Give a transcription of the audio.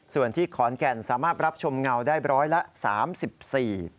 ส่วนที่ขอนแก่นสามารถรับชมเงาได้๑๓๔